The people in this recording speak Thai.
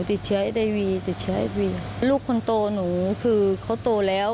ติดเชื้อไอวีติดเชื้อเอฟวีลูกคนโตหนูคือเขาโตแล้ว